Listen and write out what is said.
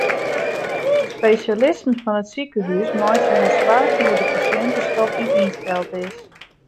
De spesjalisten fan it sikehús meitsje har soargen oer de pasjintestop dy't ynsteld is.